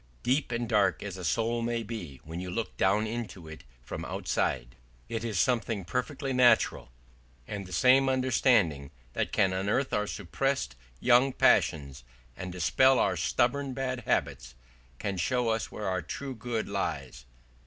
Deep and dark as a soul may be when you look down into it from outside, it is something perfectly natural; and the same understanding that can unearth our suppressed young passions, and dispel our stubborn bad habits, can show us where our true good lies.